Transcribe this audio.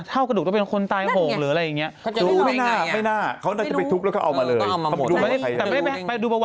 เพราะเขาต้องโบกปูนอ่ะ